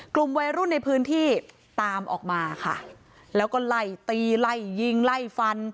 กลุ่มวัยรุ่นในพื้นที่ตามออกมาค่ะแล้วก็ไล่ตีไล่ยิงไล่ฟัน